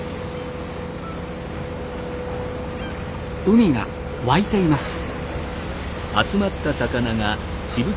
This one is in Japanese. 海が沸いています。